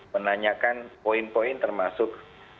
menanyakan poin poin termasuk